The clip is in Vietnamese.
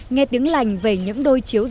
nghe tiếng lành về những đôi chiếu riêng